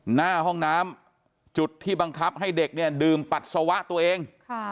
หน้าห้องน้ำจุดที่บังคับให้เด็กเนี่ยดื่มปัสสาวะตัวเอง